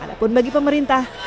walaupun bagi pemerintah